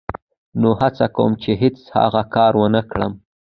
نو هڅه کوم چې هېڅ هغه کار و نه کړم.